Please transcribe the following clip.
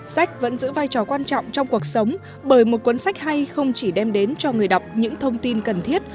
sách vẫn giữ vai trò quan trọng trong cuộc sống bởi một cuốn sách hay không chỉ đem đến cho người đọc những thông tin cần thiết